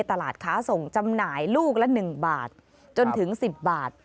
ตลาดค้าส่งจำหน่ายลูกละ๑บาทจนถึง๑๐บาท